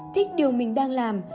thích điều mình đang làm